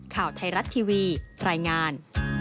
ข่าวไทยรัฐทีวีรายงาน